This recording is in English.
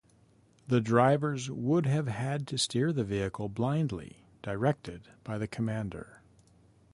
The drivers would have had to steer the vehicle blindly, directed by the commander.